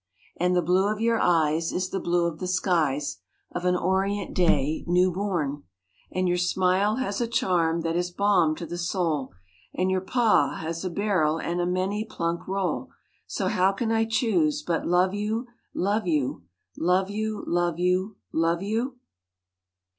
And the blue of your eyes Is the blue of the skies Of an orient day new born; And your smile has a charm that is balm to the soul, And your pa has a bar'l and a many plunk roll, So how can I choose but love you, love you, Love you, love you, love you?